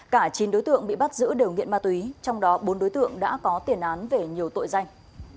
cả chín đối tượng bị bắt giữ đều nghiện ma túy trong đó bốn đối tượng đã có tiền án về nhiều tội danh